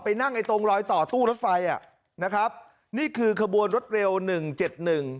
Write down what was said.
นั่งไอตรงรอยต่อตู้รถไฟอ่ะนะครับนี่คือขบวนรถเร็วหนึ่งเจ็ดหนึ่ง